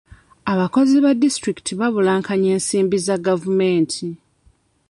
Abakozi ba disitulikiti babulankanya ensimbi za gavumenti.